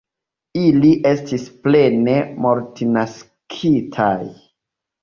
Ili estis plene mortnaskitaj.